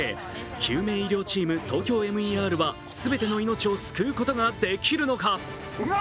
救命医療チーム、ＴＯＫＹＯＭＥＲは全ての命を救うことができるのか？